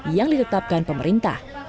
yang ditetapkan pemerintah